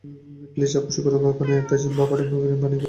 Please, যা খুশী করো, ওখানে একটা জিম বা পাটিং গ্রীন বানিয়ে ফেলো।